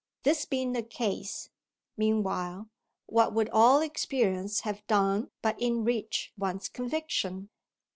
This being the case, meanwhile, what would all experience have done but enrich one's conviction?